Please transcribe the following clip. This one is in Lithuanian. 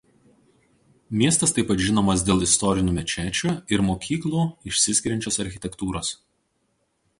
Miestas taip pat žinomas dėl istorinių mečečių ir mokyklų išsiskiriančios architektūros.